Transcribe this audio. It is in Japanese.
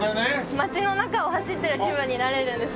街の中を走ってる気分になれるんです。